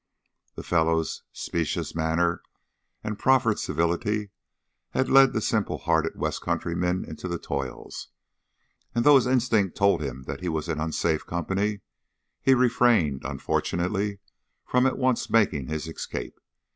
The fellow's specious manner and proffered civility had led the simple hearted west countryman into the toils, and though his instinct told him that he was in unsafe company, he refrained, unfortunately, from at once making his escape.